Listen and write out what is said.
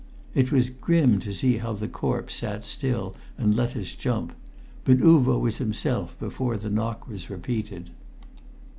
] It was grim to see how the corpse sat still and let us jump; but Uvo was himself before the knock was repeated.